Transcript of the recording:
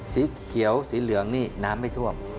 สีเขียวสีเหลืองนี่น้ำไม่ท่วม